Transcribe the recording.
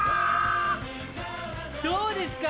どうですか？